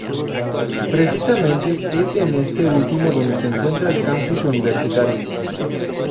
Precisamente es en este último donde se encuentra el Campus Universitario.